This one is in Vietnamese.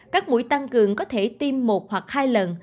các mũi tăng cường có thể tiêm một hoặc hai lần